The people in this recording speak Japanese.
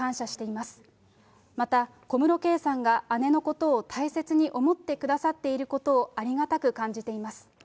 また、小室圭さんが姉のことを大切に思ってくださっていることをありがたく感じています。